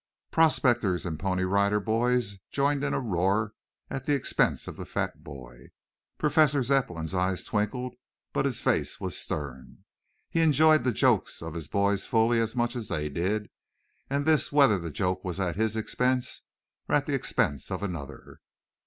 Prospectors and Pony Rider Boys joined in a roar at the expense of the fat boy. Professor Zepplin's eyes twinkled, but his face was stern. He enjoyed the jokes of his boys fully as much as did they, and this whether the joke was at his expense or at the expense of another.